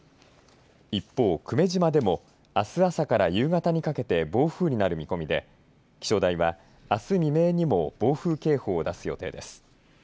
一方、久米島でもあす朝から夕方にかけて暴風になる見込みで気象台はあす未明にも暴風警報を出す予定です。